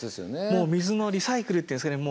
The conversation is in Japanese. もう水のリサイクルっていうんですかね